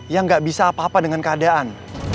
yang gak bisa apa apa dengan keadaan